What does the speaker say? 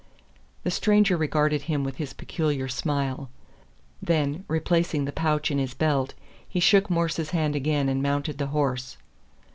The stranger regarded him with his peculiar smile. Then, replacing the pouch in his belt, he shook Morse's hand again and mounted the horse.